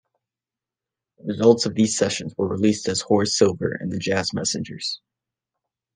The results of these sessions were released as "Horace Silver and the Jazz Messengers".